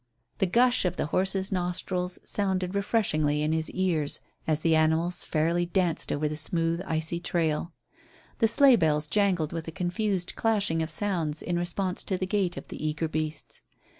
The "gush" of the horses' nostrils sounded refreshingly in his ears as the animals fairly danced over the smooth, icy trail. The sleigh bells jangled with a confused clashing of sounds in response to the gait of the eager beasts.